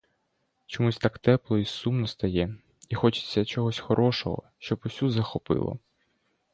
Чомусь так тепло і сумно стає, і хочеться чогось хорошого, щоб усю захопило!